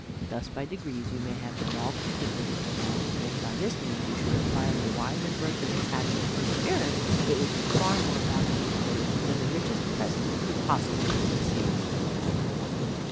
Thus, by degrees, you may have them all completed; and if by this means you should acquire the wise and virtuous habit of perseverance, it will be far more valuable to you than the richest present you could possibly receive."